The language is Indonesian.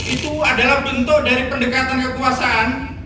itu adalah bentuk dari pendekatan kekuasaan